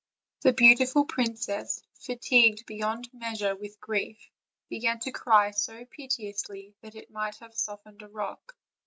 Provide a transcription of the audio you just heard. The beautiful princess, fatigued beyond measure with grief, began to cry so piteously that it might have sof tened a rock.